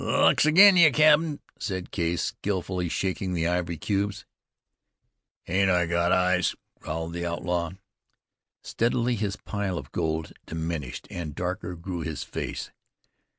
"Luck's again' ye, cap'n," said Case, skilfully shaking the ivory cubes. "Hain't I got eyes?" growled the outlaw. Steadily his pile of gold diminished, and darker grew his face.